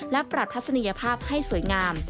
และปรับทัศนียภาพให้สวยงาม